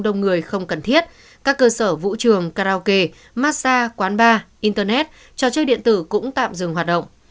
đông người không cần thiết các cơ sở vũ trường karaoke massage quán bar internet trò chơi điện tử cũng tạm dừng hoạt động